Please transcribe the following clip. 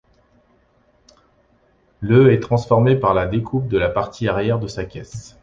Le est transformé par la découpe de la partie arrière de sa caisse.